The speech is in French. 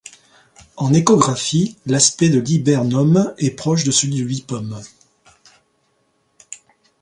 En échographie, l'aspect de l'hibernome est proche de celui du lipome.